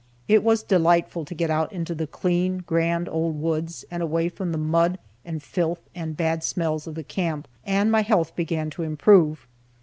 It was delightful to get out into the clean, grand old woods, and away from the mud, and filth, and bad smells of the camp, and my health began to improve.